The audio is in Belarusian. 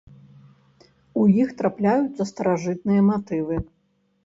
У іх трапляюцца старажытныя матывы.